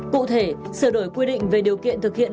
cụ thể sửa đổi quy định về điều kiện thực hiện